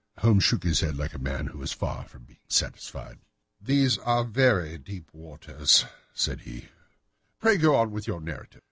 Holmes shook his head like a man who is far from being satisfied. "These are very deep waters," said he; "pray go on with your narrative."